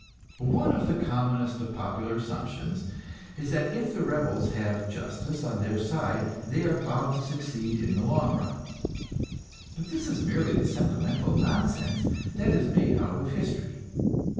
One of the commonest of popular assumptions is that if the rebels have justice on their side, they are bound to succeed in the long run; but this is merely the sentimental nonsense that is made out of history.